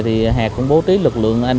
thì hẹp cũng bố trí lực lượng